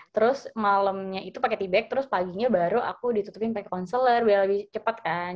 terus malamnya itu pakai tea bag terus paginya baru aku ditutupin pakai concealer biar lebih cepat kan